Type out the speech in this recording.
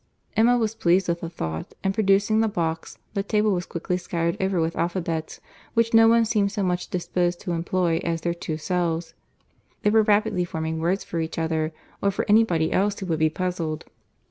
Emma was pleased with the thought; and producing the box, the table was quickly scattered over with alphabets, which no one seemed so much disposed to employ as their two selves. They were rapidly forming words for each other, or for any body else who would be puzzled.